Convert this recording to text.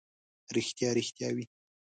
ریښتیا، ریښتیا وي.